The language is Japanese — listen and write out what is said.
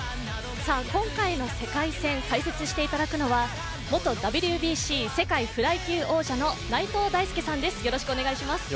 今回の世界戦、解説していただくのは元ＷＢＣ世界フライ級王者の内藤大助さんです。